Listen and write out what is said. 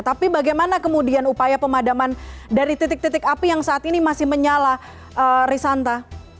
tapi bagaimana kemudian upaya pemadaman dari titik titik api yang saat ini masih menyala risanta